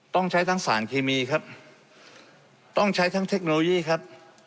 ต้องใช้ทั้งสารเคมีครับต้องใช้ทั้งเทคโนโลยีครับ